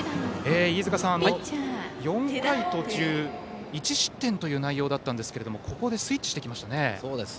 飯塚さん、４回途中１失点という内容だったんですけれどもここでスイッチしてきましたね。